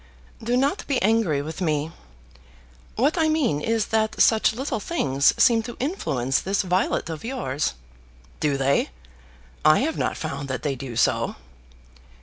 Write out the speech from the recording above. "Do not be angry with me. What I mean is that such little things seem to influence this Violet of yours." "Do they? I have not found that they do so."